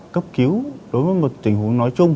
cốc cứu đối với một tình huống nói chung